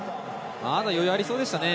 まだ余裕がありそうでしたね。